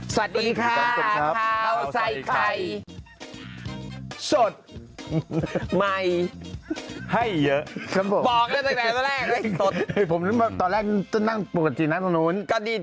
สวัสดีค่ะครับเราใส่ใครสดใหม่ให้เยอะครับผมตอนแรกต้องนั่งปกติน้ำตรงนู้นกันดี